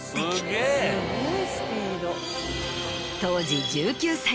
当時１９歳。